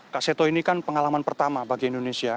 kak seto ini kan pengalaman pertama bagi indonesia